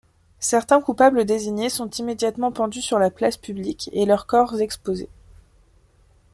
Certains coupables désignés sont immédiatement pendus sur la place publique et leurs corps exposés.